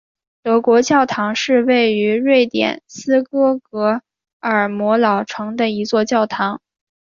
德国教堂是位于瑞典斯德哥尔摩老城的一座教堂。